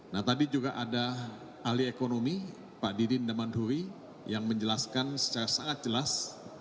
nah tadi juga ada ahli ekonomi pak didin demandhuri yang menjelaskan secara sangat jelas